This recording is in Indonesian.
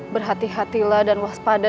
berhati hatilah dan waspada